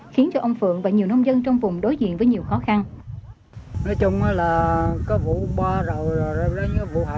khiến cho ông phượng và nhiều nông dân trong vùng đối diện với nhiều khó khăn